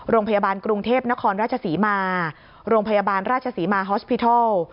โรงพยาบาลกรุงเทพนครราชศรีมาโรงพยาบาลราชศรีมาฮอสพิทัล